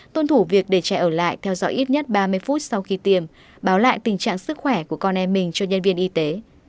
tuân thủ việc để trẻ ở lại theo dõi ít nhất ba mươi phút sau khi tiêm báo lại tình trạng sức khỏe của con em mình cho nhân viên y tế